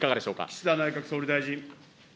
岸田内閣総理大臣。